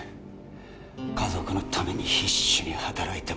家族のために必死に働いても